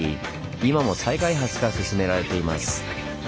今も再開発が進められています。